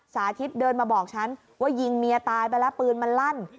สาธิตเดินมาบอกฉันว่ายิงเมียตายไปแล้วปืนมันลั่น